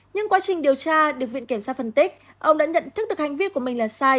nhưng quá trình điều tra được viện kiểm sát phân tích ông đã nhận thức được hành vi của mình là sai